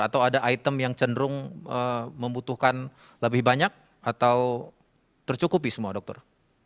atau ada item yang cenderung membutuhkan lebih banyak atau tercukupi semua dokter